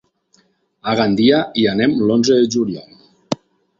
A Gandia hi anem l'onze de juliol.